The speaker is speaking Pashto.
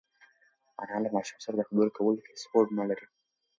انا له ماشوم سره د خبرو کولو هېڅ هوډ نهلري.